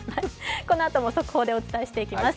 このあとも速報でお伝えしていきます。